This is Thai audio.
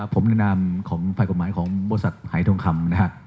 ผมแนะนำของภายกรมหมายของบศหายท้องคำ